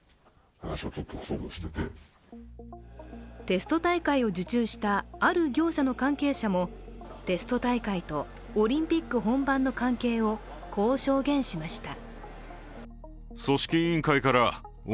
テスト大会を受注したある業者の関係者も、テスト大会とオリンピック本番の関係を、こう証言しました。